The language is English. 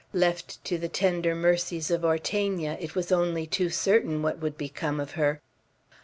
Left to the tender mercies of Ortegna, it was only too certain what would become of her.